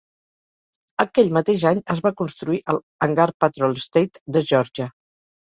Aquell mateix any, es va construir el Hangar Patrol State de Geòrgia.